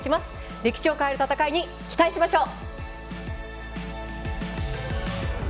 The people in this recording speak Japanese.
歴史を変える戦いに期待しましょう。